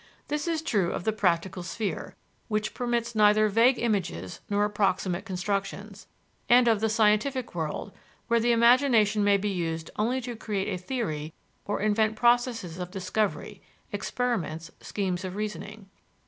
This is true of the practical sphere, which permits neither vague images nor approximate constructions; and of the scientific world, where the imagination may be used only to create a theory or invent processes of discovery (experiments, schemes of reasoning).